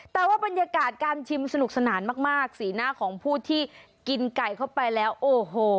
แต่ว่าบรรยากาศการชิมสนุกสนานมากสีหน้าของผู้ที่กินไก่เข้าไปแล้วโอ้โห